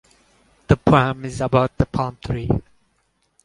The poem is about the palm tree.